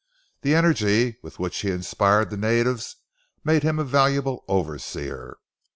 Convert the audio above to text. The energy with which he inspired the natives made him a valuable overseer.